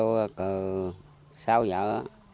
dạ cây tơ giờ mới